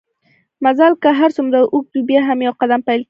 مزل که هرڅومره اوږده وي بیا هم په يو قدم پېل کېږي